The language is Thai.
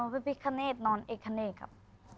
พี่พิขเนตนอนเอกขเนตครับ